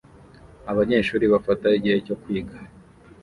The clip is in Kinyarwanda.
Abanyeshuri bafata igihe cyo kwiga